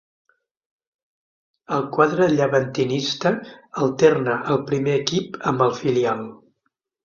Al quadre llevantinista alterna el primer equip amb el filial.